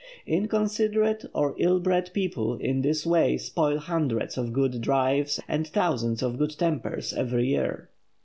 Inconsiderate or ill bred people in this way spoil hundreds of good drives and thousands of good tempers every year.